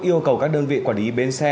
yêu cầu các đơn vị quản lý album